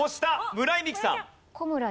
村井美樹さん。